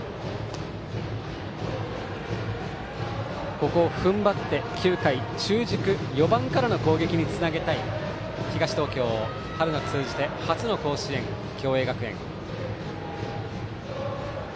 ここを踏ん張って９回中軸４番からの攻撃につなげたい東東京春夏通じて初の甲子園の共栄学園。